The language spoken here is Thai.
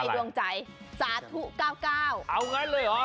โปรดติดตามตอนต่อไป